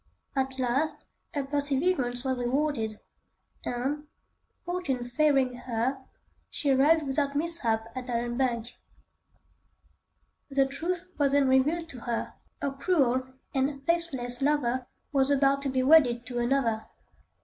At last her perseverance was rewarded, and, Fortune favouring her, she arrived without mishap at Allanbank. The truth was then revealed to her: her cruel and faithless lover was about to be wedded to another.